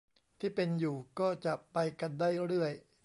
ที่เป็นอยู่ก็จะไปกันได้เรื่อย